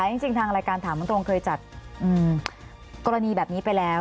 จริงทางรายการถามตรงเคยจัดกรณีแบบนี้ไปแล้ว